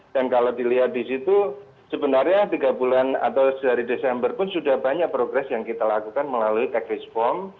dan kalau dilihat disitu sebenarnya tiga bulan atau sehari desember pun sudah banyak progress yang kita lakukan melalui tech reform